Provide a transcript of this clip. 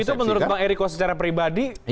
kalau begitu menurut pak ericko secara pribadi